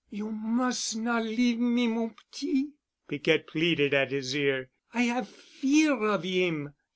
"You mus' not leave me, mon petit," Piquette pleaded at his ear. "I 'ave fear of him.